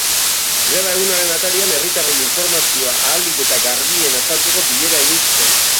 Greba egunaren atarian, herritarrei informazioa ahalik eta garbien azaltzeko bilera egin zuten.